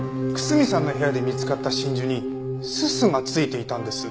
楠見さんの部屋で見つかった真珠にすすが付いていたんです。